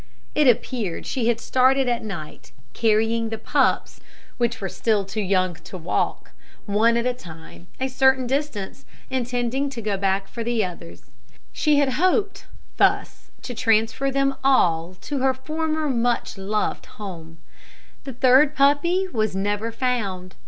It appeared that she had started at night, carrying the pups which were still too young to walk one at a time, a certain distance, intending to go back for the others. She had hoped thus to transfer them all to her former much loved home. The third puppy was never found.